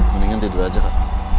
mendingan tidur aja kak